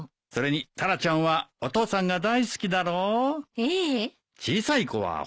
それにタラちゃんはお父さんが大好きだろ。